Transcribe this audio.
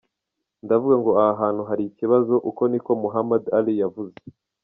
Ndavuga ngo aha hantu hari ikibazo," uko ni ko Muhaammad Ali yavuze.